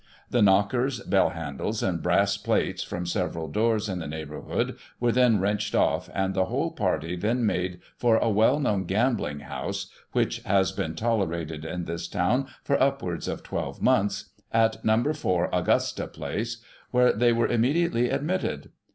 The knockers, bell handles and brass plates from several doors in the neighbour hood were then wrenched off, and the whole party then made for a well known gambling house (which has been tolerated in this town for upwards of twelve months), at No. 4, Augusta Place, where they were immediately admitted.